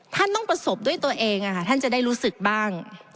ท่านต้องประสบด้วยตัวเองท่านจะได้รู้สึกบ้าง